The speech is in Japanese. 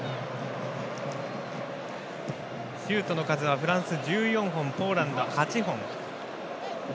シュートの数はフランスが１４本ポーランド、８本。